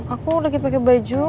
aku lagi pakai baju